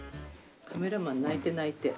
カメラマン泣いて泣いて。